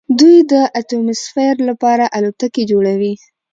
دوی د اتموسفیر لپاره الوتکې جوړوي.